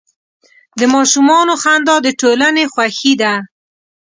د ماشومانو خندا د ټولنې خوښي ده.